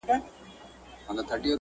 دا ادعا چي د دوی کلتور اصلي